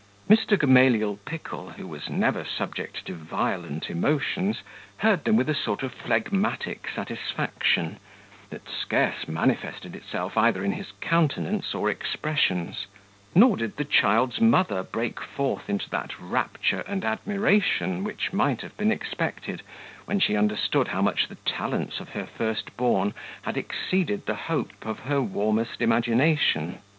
Mr. Gamaliel Pickle, who was never subject to violent emotions, heard them with a sort of phlegmatic satisfaction, that scarce manifested itself either in his countenance or expressions; nor did the child's mother break forth into that rapture and admiration which might have been expected, when she understood how much the talents of her first born had exceeded the hope of her warmest imagination.